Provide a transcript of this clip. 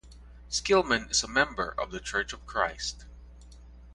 Skillman is a member of the Church of Christ.